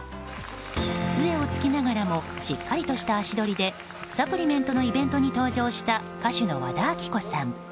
杖をつきながらもしっかりとした足取りでサプリメントのイベントに登場した、歌手の和田アキ子さん。